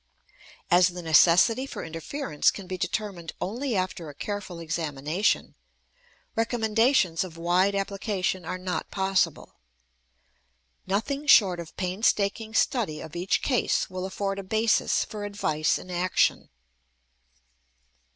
As the necessity for interference can be determined only after a careful examination, recommendations of wide application are not possible. Nothing short of painstaking study of each case will afford a basis for advice and action.